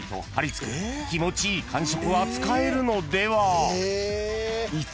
［気持ちいい感触は使えるのでは？］